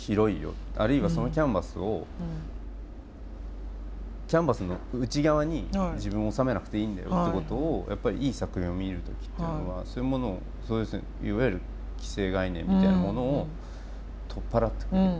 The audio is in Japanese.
あるいはそのキャンバスをキャンバスの内側に自分を収めなくていいんだよってことをいい作品を見る時っていうのはそういうものをいわゆる既成概念みたいなものを取っ払ってくれる。